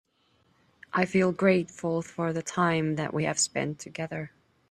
I feel grateful for the time that we have spend together.